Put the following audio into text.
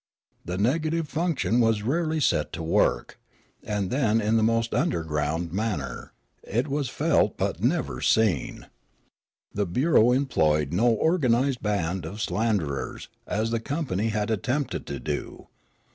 The neg ative function was rarely set to work, and then in the most underground manner ; it was felt but never seen. io6 Riallaro The bureau emplo^'ed no organised band of slanderers as the compau}^ had attempted to do.